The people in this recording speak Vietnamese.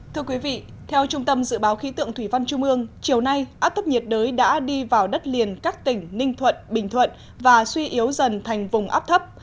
thưa quý vị theo trung tâm dự báo khí tượng thủy văn trung ương chiều nay áp thấp nhiệt đới đã đi vào đất liền các tỉnh ninh thuận bình thuận và suy yếu dần thành vùng áp thấp